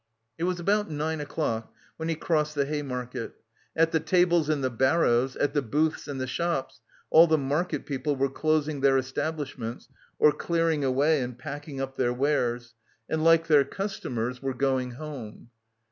It was about nine o'clock when he crossed the Hay Market. At the tables and the barrows, at the booths and the shops, all the market people were closing their establishments or clearing away and packing up their wares and, like their customers, were going home.